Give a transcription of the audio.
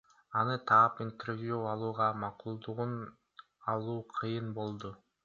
Аны таап, интервью алууга макулдугун алуу кыйын болду.